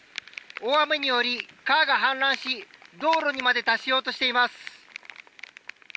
大雨により川が氾濫し道路にまで達しようとしています。